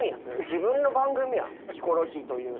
自分の番組やヒコロヒーという。